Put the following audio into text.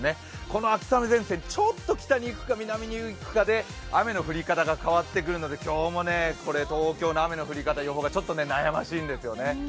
この秋雨前線、ちょっと北に行くか南に行くかで雨の降り方が変わってくるので今日も東京の雨の降り方、予報がちょっと悩ましいんですよね。